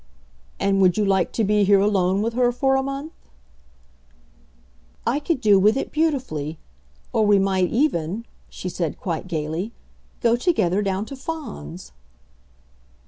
"And would you like to be here alone with her for a month?" "I could do with it beautifully. Or we might even," she said quite gaily, "go together down to Fawns."